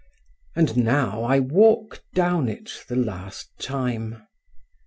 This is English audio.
And now I walk Down it the last time.